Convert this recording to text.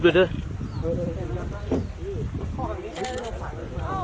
สุดท้ายเมื่อเวลาสุดท้ายเมื่อเวลาสุดท้าย